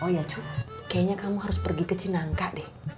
oh ya cuk kayaknya kamu harus pergi ke cinangka deh